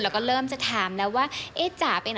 แล้วก็เริ่มจะถามนะว่าเอ๊ะจ๋าไปไหน